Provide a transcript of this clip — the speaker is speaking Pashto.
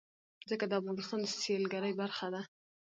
ځمکه د افغانستان د سیلګرۍ برخه ده.